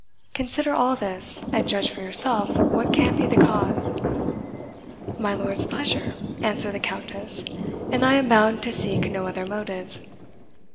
Consider all this, and judge for yourself what can be the cause. "My lord's pleasure," answered the Countess; "and I am bound to seek no other motive."